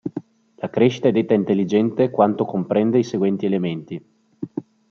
La crescita è detta "intelligente" quanto comprende i seguenti elementi.